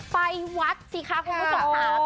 ไปวัดสิคะคุณผู้ชมค่ะ